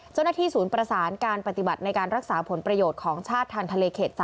เจ้าหน้าที่ศูนย์ประสานการปฏิบัติในการรักษาผลประโยชน์ของชาติทางทะเลเขต๓